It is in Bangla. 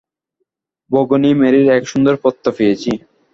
ভগিনী মেরীর এক সুন্দর পত্র পেয়েছি।